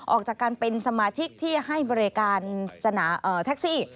ออกจากการเป็นสมาชิกที่ให้บริการแท็กซี่